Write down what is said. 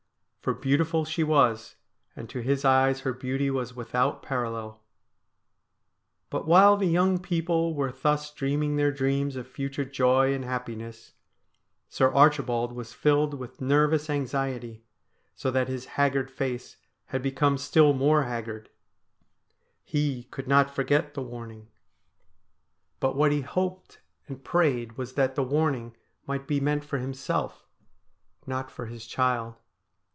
For beautiful she was, and to his eyes her beauty was without parallel. But while the young people were thus dreaming their dreams of future joy and happiness, Sir Archibald was filled with nervous anxiety, so that his haggard face had become still more haggard He could not forget the warning ; but THE PIPER OF CULLODEN 65 what he hoped and prayed was that the warning might he meant for himself, not for his child.